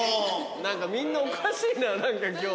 みんなおかしいな何か今日。